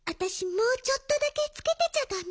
もうちょっとだけつけてちゃだめ？